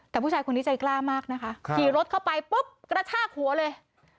แต่ผู้ชายคนนี้ใจกล้ามากนะคะขี่รถเข้าไปปุ๊บกระชากหัวเลย